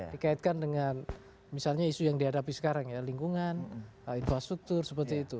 dikaitkan dengan misalnya isu yang dihadapi sekarang ya lingkungan infrastruktur seperti itu